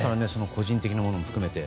個人的なものも含めて。